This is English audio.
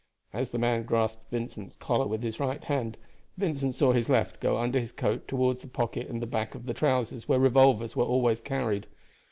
As the man grasped Vincent's collar with his right hand Vincent saw his left go under his coat toward the pocket in the back of the trousers where revolvers were always carried.